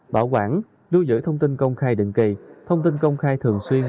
bảo quản lưu giữ thông tin công khai định kỳ thông tin công khai thường xuyên